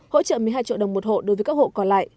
hỗ trợ một mươi hai triệu đồng một hộ đối với các hộ còn lại